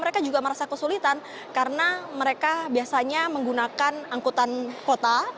mereka juga merasa kesulitan karena mereka biasanya menggunakan angkutan kota